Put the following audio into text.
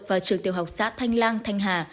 và trường tiểu học xã thanh lan thanh hà